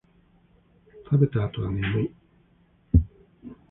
食べた後は眠い